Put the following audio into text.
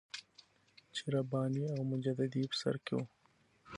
چې رباني او مجددي یې په سر کې وو.